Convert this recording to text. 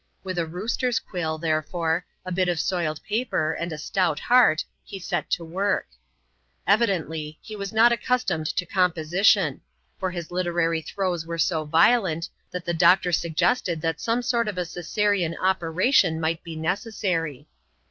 With a rooster's quill, there fore, a bit of soiled paper, and a stout heart, he set to work. J52 ADVEKTURES IN THE SOUTH SEA& [aup. ijcn. Eridentlj, lie was not accustomed to composition; for his literary throes were so violent, that the doctor suggested that some sort of a Csesarian operation might be necessary.